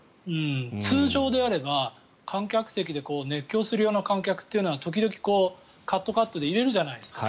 通常であれば観客席で熱狂するような観客は時々、カットカットで入れるじゃないですか。